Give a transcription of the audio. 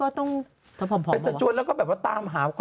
ก่อนหน้านี้ที่ตีปริงปองอ่ะไปแข่งซีเกมอ่ะ